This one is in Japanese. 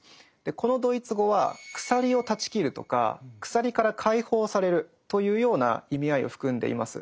このドイツ語は「鎖を断ち切る」とか「鎖から解放される」というような意味合いを含んでいます。